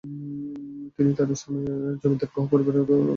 তিনি তাদের সময়ের জমিদার গুহ পরিবারে বিয়ে করেছিলেন।